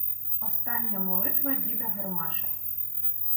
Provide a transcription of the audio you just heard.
Остання молитва діда Гармаша